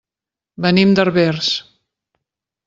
Venim de Herbers.